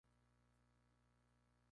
Marcela Reyna: “"Juego y revolución.